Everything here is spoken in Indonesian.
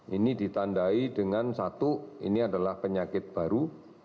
ini ditandai dengan satu ini adalah penyakit baru